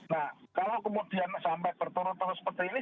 nah kalau kemudian sampai berturut turut seperti ini